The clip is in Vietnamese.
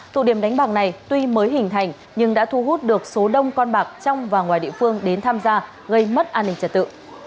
tụ điểm đánh bạc này tuy mới hình thành nhưng đã thu hút được số đông con bạc trong và ngoài địa phương đến tham gia gây mất an ninh trật tự